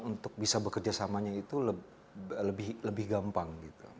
untuk bisa bekerjasamanya itu lebih gampang